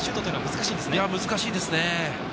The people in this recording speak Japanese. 難しいです。